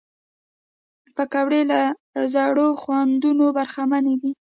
پکورې له زړو خوندونو برخمنې دي